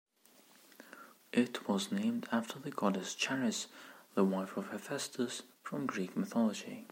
It was named after the goddess Charis, the wife of Hephaestus from Greek mythology.